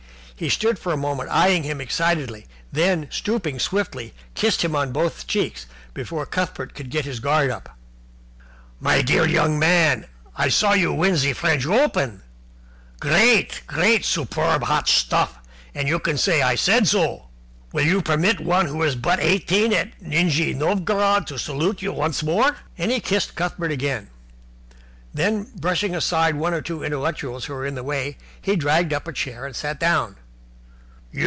He stood for a moment eyeing him excitedly, then, stooping swiftly, kissed him on both cheeks before Cuthbert could get his guard up. "My dear young man, I saw you win ze French Open. Great! Great! Grand! Superb! Hot stuff, and you can say I said so! Will you permit one who is but eighteen at Nijni Novgorod to salute you once more?" And he kissed Cuthbert again. Then, brushing aside one or two intellectuals who were in the way, he dragged up a chair and sat down.